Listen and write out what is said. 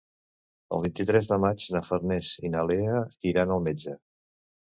El vint-i-tres de maig na Farners i na Lea iran al metge.